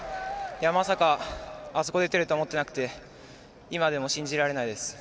まさかあそこで打てるとは思っていなくて今でも信じられないです。